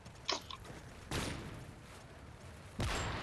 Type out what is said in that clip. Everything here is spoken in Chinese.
弯曲空间的向量场的例子有在地球表面的水平风速的气象图。